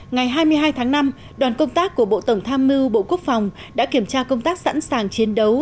ngày hai mươi hai tháng năm đoàn công tác của bộ tổng tham mưu bộ quốc phòng đã kiểm tra công tác sẵn sàng chiến đấu